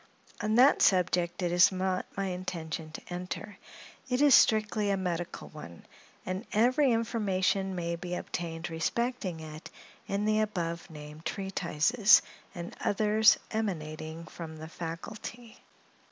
On that subject it is not my intention to enter; it is a strictly medical one, and every information may be obtained respecting it in the above named treatises, and others emanating from the faculty.